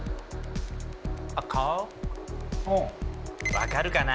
分かるかな？